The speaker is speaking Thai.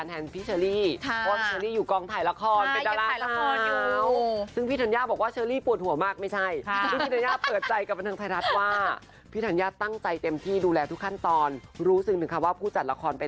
รวมไปถึงเชอร์รี่เชอร์ใจของเราโอ้ยเป็นดาราสาวทันเน่าโอ้โห